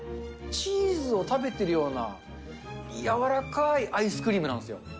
チーズを食べてるような柔らかいアイスクリームなんですよ。